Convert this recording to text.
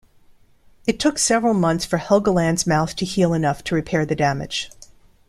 It took several months for Helgeland's mouth to heal enough to repair the damage.